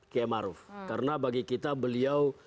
karena bagi kita beliau